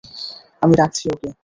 আমি ডাকছি ওকে।